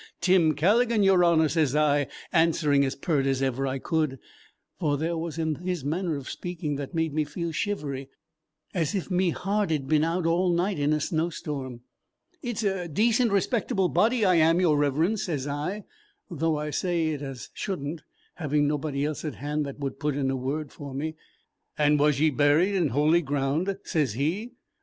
'Tim Calligan, your honor,' sez I, answering as pert as ever I could; for there was that in his manner of speaking that made me feel shivery, as if me heart'd been out all night in a snowstorm. 'It's a decent, respectable body I am, your Reverence,' sez I, 'though I say it as should n't, having nobody else at hand that would put in a word for me.' 'And was ye buried in holy ground?' sez he.